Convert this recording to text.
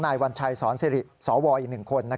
นายวัญชัยสอนสิริสวอีกหนึ่งคน